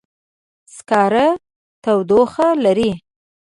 سکاره تودوخه لري.